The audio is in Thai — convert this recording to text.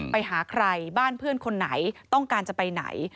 ไปหาใครบ้านเพื่อนคนไหนต้องการจะไปไหน